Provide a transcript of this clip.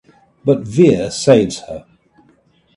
But Veer saves her.